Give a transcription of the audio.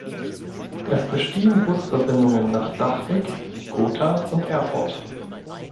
Es bestehen Busverbindungen nach Dachwig, Gotha und Erfurt.